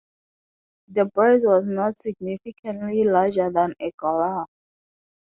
The bird was not significantly larger than a galah.